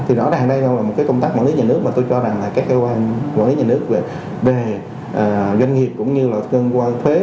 thì rõ ràng đây là một công tác mở lý nhà nước mà tôi cho rằng là các cơ quan mở lý nhà nước về doanh nghiệp cũng như là cơ quan thuế